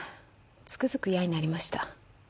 つくづく嫌になりました。